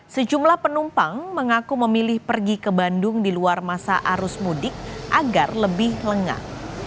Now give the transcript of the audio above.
sejumlah penumpang mengaku memilih pergi ke bandung di luar masa arus mudik agar lebih lengang